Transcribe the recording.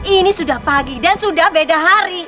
ini sudah pagi dan sudah beda hari